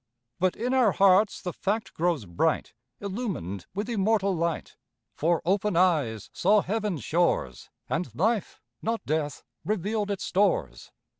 But in our hearts the fact grows bright, Illumined with immortal light. For open eyes saw heaven's shores, And life, not death, revealed its stores.